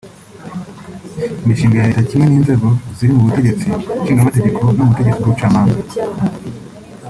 imishinga ya Leta kimwe n’inzego ziri mu butegetsi Nshingamategeko no mu butegetsi bw’Ubucamanza